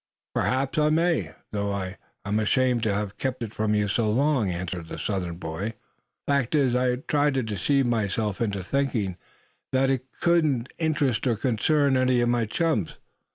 "Perhaps I may, suh, though I'm ashamed to have kept it from you so long," answered the Southern boy, shame facedly. "Fact is, I tried to deceive myself into thinking that it couldn't interest or concern any of my chums.